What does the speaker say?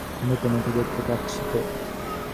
আমি তোকে দেখতে পাচ্ছি।